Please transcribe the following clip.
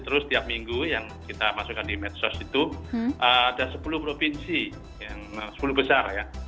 terus setiap minggu yang kita masukkan di medsos itu ada sepuluh provinsi yang sepuluh besar ya